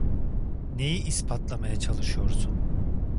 Neyi ispatlamaya çalışıyorsun?